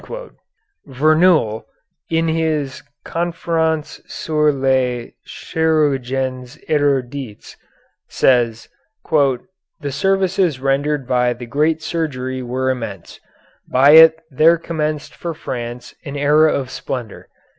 Verneuil, in his "Conférence sur Les Chirurgiens Érudits," says, "The services rendered by the 'Great Surgery' were immense; by it there commenced for France an era of splendor.